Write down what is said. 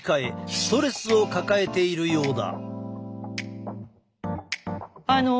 ストレスを抱えているようだ。